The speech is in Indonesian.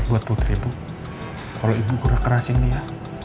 tapi buat putri bu kalau ibu gue kerasin dia